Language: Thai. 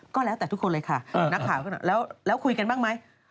ก็แล้วแต่ทุกคนเลยค่ะนักข่าวแล้วคุยกันบ้างไหม